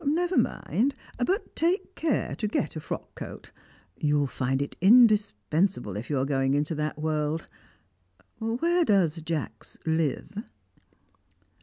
Never mind, but take care to get a frock coat; you'll find it indispensable if you are going into that world. Where does Jacks live?"